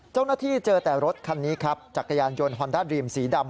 เจ้าหน้าที่เจอแต่รถคันนี้ครับจักรยานยนต์ฮอนด้าดรีมสีดำ